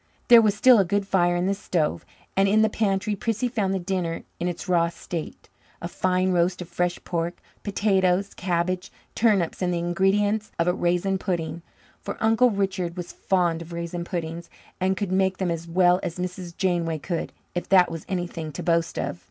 There was still a good fire in the stove, and in the pantry Prissy found the dinner in its raw state a fine roast of fresh pork, potatoes, cabbage, turnips and the ingredients of a raisin pudding, for Richard Baker was fond of raisin puddings, and could make them as well as Mrs. Janeway could, if that was anything to boast of.